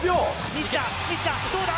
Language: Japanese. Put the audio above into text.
西田、西田、どうだ？